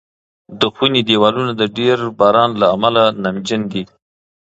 د خونې دېوالونه د ډېر باران له امله نمجن دي.